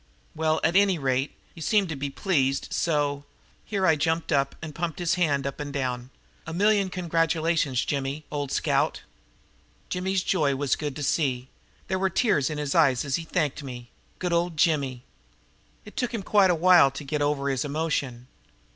Well, at any rate, you seem to be pleased, so " here I jumped up and pumped his hand up and down "a million congratulations, Jimmy, old scout!" Jimmy's joy was good to see. There were tears in his eyes as he thanked me. Good old Jimmy! It took him quite a while to get over his emotion.